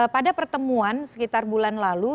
pada pertemuan sekitar bulan lalu